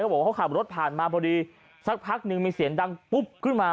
บอกว่าเขาขับรถผ่านมาพอดีสักพักหนึ่งมีเสียงดังปุ๊บขึ้นมา